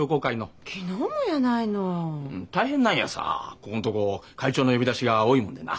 ここんとこ会長の呼び出しが多いもんでな。